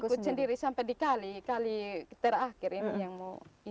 ikut sendiri sampai di kali terakhir yang mau